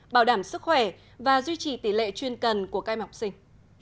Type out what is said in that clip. bảo đảm sức khỏe và duy trì tỷ lệ chuyên cần của các em học sinh